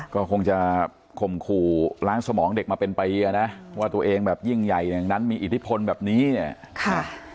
ก็คงจะข่มขู่ล้างสมองเด็กมาเป็นปีอ่ะนะว่าตัวเองแบบยิ่งใหญ่อย่างนั้นมีอิทธิพลแบบนี้เนี่ยค่ะ